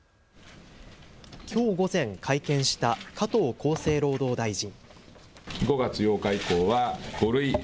きょう午前、会見した加藤厚生労働大臣。